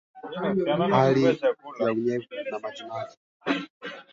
Joseph Rurindo na Jenerali Eugene Nkubito